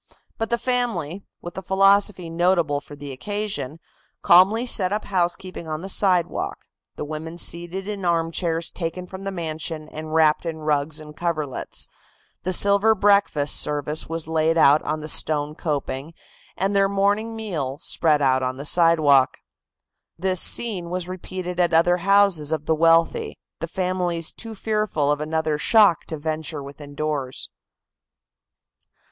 But the family, with a philosophy notable for the occasion, calmly set up housekeeping on the sidewalk, the women seated in armchairs taken from the mansion and wrapped in rugs and coverlets, the silver breakfast service was laid out on the stone coping and their morning meal spread out on the sidewalk. This, scene was repeated at other houses of the wealthy, the families too fearful of another shock to venture within doors.